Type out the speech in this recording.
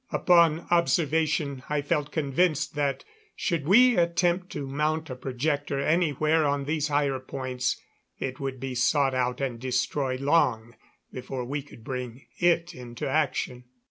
Upon observation I felt convinced that should we attempt to mount a projector anywhere on these higher points it would be sought out and destroyed long before we could bring it into action.